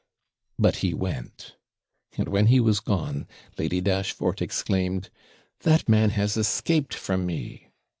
But he went; and, when he was gone, Lady Dashfort exclaimed, 'That man has escaped from me.'